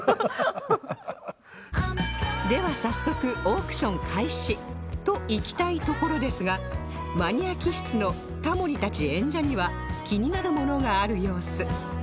では早速オークション開始といきたいところですがマニア気質のタモリたち演者には気になるものがある様子